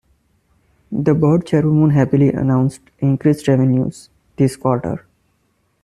The board chairwoman happily announced increased revenues this quarter.